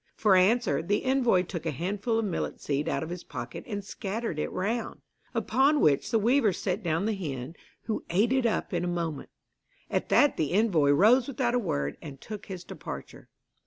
For answer, the envoy took a handful of millet seed out of his pocket and scattered it round; upon which the weaver set down the hen, who ate it up in a moment. At that the envoy rose without a word, and took his departure.